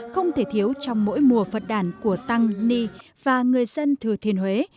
không thể thiếu trong mỗi mùa phật đản của tăng ni và người dân thừa thiên huế